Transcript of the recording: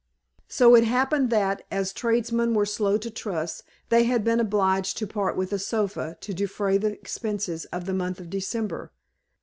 So it happened that, as tradesmen were slow to trust, they had been obliged to part with a sofa to defray the expenses of the month of December.